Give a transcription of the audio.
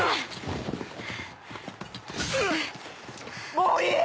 もういい！